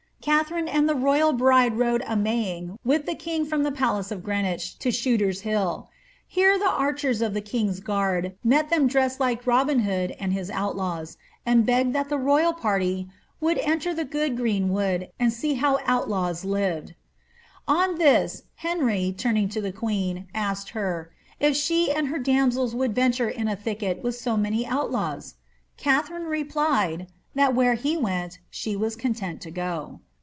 Katharine and the royal bride rode ^ a maying" with the king from the palace of Greenwich to Shooter's Hill. Here the archers of the king's guard met them dressed like Robin Hood and his outlaws, and be^ed that the royal party ^ would enter the good green wood, and see how oodaws lived." On this, Henry, turning to the queen, asked her '^ if she and her dam ids would venture in a thicket with so many outlaws ?" Katharine replied, ^ that where he went she was content to go."